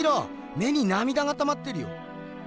目になみだがたまってるよ。